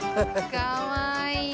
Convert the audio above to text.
かわいい。